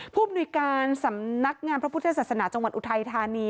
ภูมิหน่วยการสำนักงานพระพุทธศาสนาจังหวัดอุทัยธานี